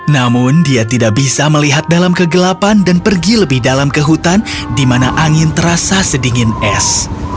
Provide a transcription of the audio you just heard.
namun dia tidak bisa melihat dalam kegelapan dan pergi lebih dalam ke hutan di mana angin terasa sedingin es